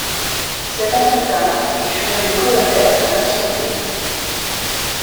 Sept ans plus tard, il fut nommé colonel à l'ancienneté.